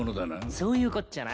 そういうこっちゃな。